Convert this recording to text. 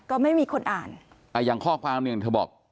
ก็ไม่มีคนอ่านอ่าอย่างข้อความหนึ่งเธอบอก